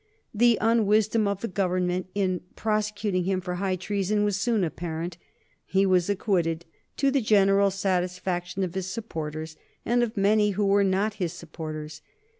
The unwisdom of the Government in prosecuting him for high treason was soon apparent. He was acquitted, to the general satisfaction of his supporters, and of many who were not his supporters.